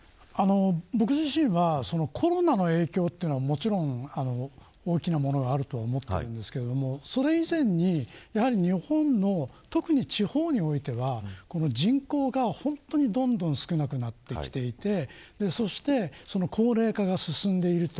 僕自身は、コロナの影響はもちろん大きなものがあると思っているんですけどそれ以前に日本の、特に地方においては人口がどんどん少なくなってきていてそして高齢化が進んでいます。